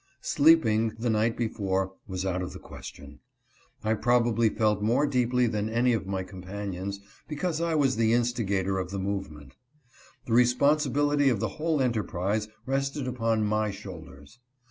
Sleeping, the night before, was out of the question. I probably felt more deeply than any of my companions, because I was the instigator of the move ment. The responsibility of the whole enterprise rested upon my shoulders.